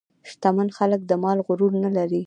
شتمن خلک د مال غرور نه لري.